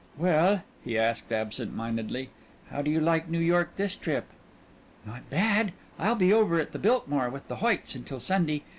"Well," he asked, absent mindedly, "how do you like New York this trip?" "Not bad. I'll be over at the Biltmore with the Hoyts until Sunday.